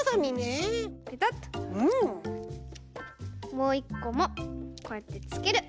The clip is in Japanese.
もういっこもこうやってつける。